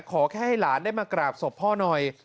ขอแค่ให้หลานได้มากราบศพพ่อหน่อย